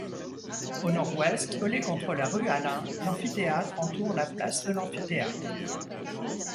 Au nord-ouest, collé contre la rue Alain, l'Amphitéâtre entoure la place de l'Amphithéâtre.